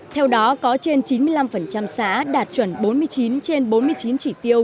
theo đó có trên chín mươi năm xã đạt chuẩn bốn mươi chín trên bốn mươi chín chỉ tiêu